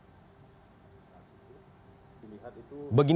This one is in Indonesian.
berita terkini mengenai pembahasan korupsi di lapas suka miskin bandung